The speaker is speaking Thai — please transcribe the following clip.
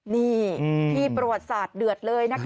นี่ที่ประวัติศาสตร์เดือดเลยนะคะ